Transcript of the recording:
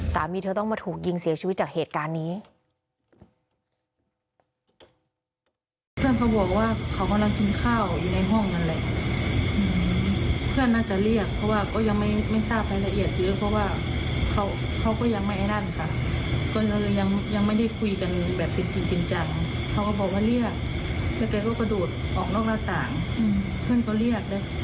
สามีเธอต้องมาถูกยิงเสียชีวิตจากเหตุการณ์นี้